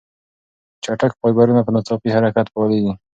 چټک فایبرونه په ناڅاپي حرکت کې فعالېږي.